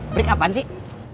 break kapan sih